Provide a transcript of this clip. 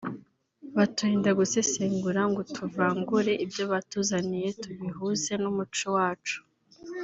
baturinda gusesengura ngo tuvangure ibyo batuzaniye tubihuze n’umuco wacu